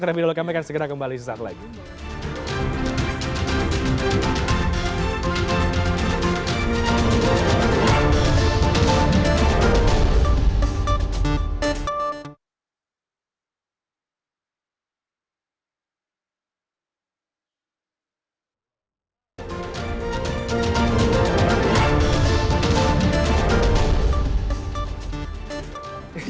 terlebih dahulu kami akan segera kembali sesaat lagi